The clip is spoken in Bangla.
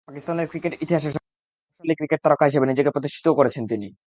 পাকিস্তানের ক্রিকেট ইতিহাসের সবচেয়ে প্রভাবশালী ক্রিকেট তারকা হিসেবে নিজেকে প্রতিষ্ঠিতও করেছেন তিনি।